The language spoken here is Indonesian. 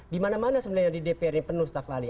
di mana mana sebenarnya di dpr ini penuh staff ahli